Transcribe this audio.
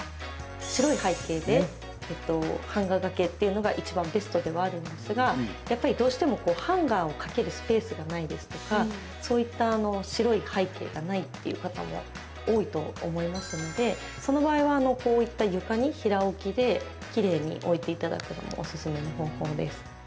白い背景でハンガー掛けっていうのがいちばんベストではあるんですがやっぱりどうしてもハンガーを掛けるスペースがないですとかそういった白い背景がないっていう方も多いと思いますのでその場合はこういった床に平置きできれいに置いていただくのもおすすめの方法です。